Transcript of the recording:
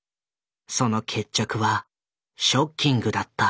その決着はショッキングだった。